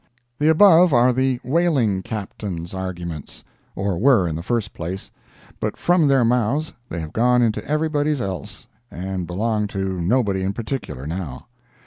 The above are the whaling Captain's arguments—or were, in the first place, but from their mouths they have gone into everybody's else, and belong to nobody in particular now.